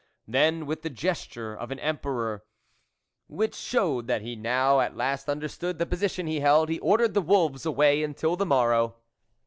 Then with the gesture of an Emperor, which showed that he now at last understood the position he held, he ordered the wolves away until the morrow.